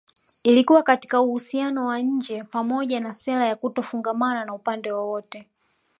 Ilikuwa katika uhusiano wa nje pamoja na sera ya kutofungamana na siasa upande wowote